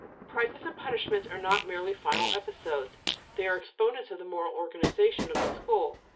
Prizes and punishments are not merely final episodes, they are exponents of the moral organization of the school.